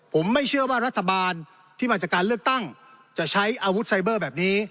ผมไม่เชื่อว่ารัฐบาลที่มาจากการเลือกตั้งจะใช้อาวุธไซเบอร์แบบนี้